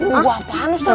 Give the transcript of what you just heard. nunggu apaan ustadz